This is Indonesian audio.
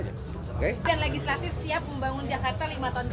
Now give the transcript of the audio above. dan legislatif siap membangun jakarta lima tahun ke depan